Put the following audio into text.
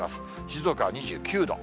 静岡は２９度。